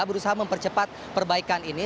berusaha mempercepat perbaikan ini